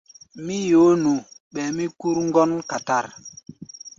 Mí yoó nu, ɓɛɛ mí kúr ŋgɔ́n katar.